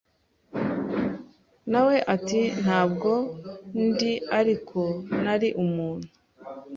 Na we ati Ntabwo ndi ariko nari umuntu